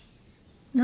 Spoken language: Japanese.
何？